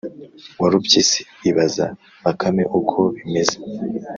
warupyisi ibaza bakame uko bimeze